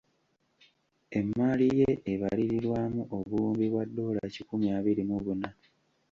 Emmaali ye ebalirirwamu obuwumbi bwa ddoola kikumi abiri mu buna.